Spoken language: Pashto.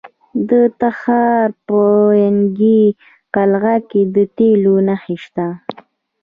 د تخار په ینګي قلعه کې د تیلو نښې شته.